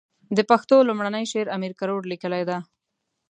د پښتو لومړنی شعر امير کروړ ليکلی ده.